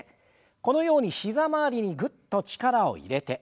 このように膝周りにぐっと力を入れて。